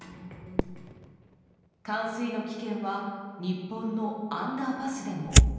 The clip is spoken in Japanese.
冠水の危険は日本のアンダーパスでも。